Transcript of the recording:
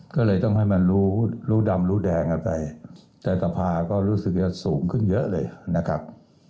ก็เลยต้องให้มันรู้ดำรู้แดงกันไปแต่สภาก็รู้สึกจะสูงขึ้นเยอะเลยนะครับ